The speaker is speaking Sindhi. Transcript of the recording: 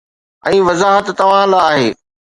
۽ وضاحت توهان لاءِ آهي